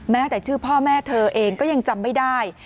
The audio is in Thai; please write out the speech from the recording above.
แต่ชื่อพ่อแม่เธอเองก็ยังจำไม่ได้